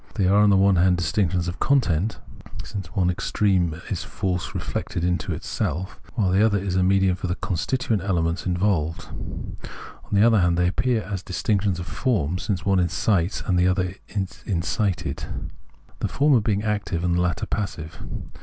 They are, on the one hand, distinctions of 134 Phenomenology of Mind content, since one extreme is force reflected into itself, while the other is a medium for the constituent elements involved : on the other hand, they appear as distinc tions of form, since one incites and the other is incited, the former being active, the latter passive.